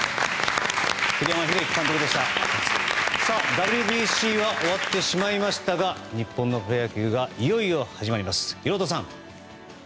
ＷＢＣは終わってしまいましたが日本のプロ野球がいよいよ始まります。